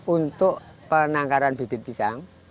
untuk penangkaran bibit pisang